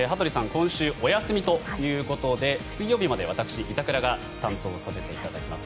今週お休みということで水曜日まで私、板倉が担当させていただきます。